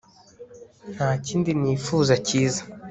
nta kindi nifuza cyiza